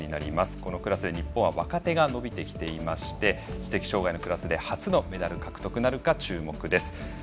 このクラスで日本は若手が伸びてきていまして知的障がいのクラスで初のメダル獲得なるか注目です。